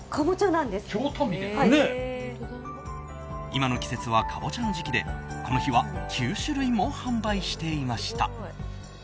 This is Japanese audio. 今の季節はカボチャの時期でこの日は９種類も販売していました。